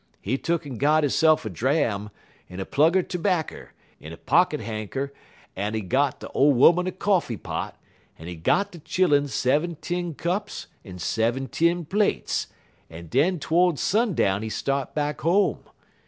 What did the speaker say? He tuck'n got hisse'f a dram, en a plug er terbarker, en a pocket hankcher, en he got de ole 'oman a coffee pot, en he got de chillun sevin tin cups en sevin tin plates, en den todes sundown he start back home.